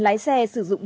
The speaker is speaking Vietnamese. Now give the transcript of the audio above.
lái xe sử dụng